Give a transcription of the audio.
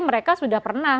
mereka sudah pernah